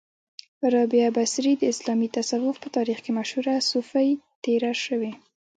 را بعه بصري د اسلامې تصوف په تاریخ کې مشهوره صوفۍ تیره شوی